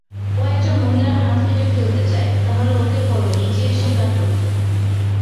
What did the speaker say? ও একজন মহিলার হাত কেটে ফেলতে চায়, তাহলে ওকে বলো নিজে এসে কাটুক।